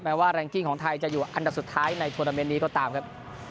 ว่าแรงกิ้งของไทยจะอยู่อันดับสุดท้ายในโทรนาเมนต์นี้ก็ตามครับ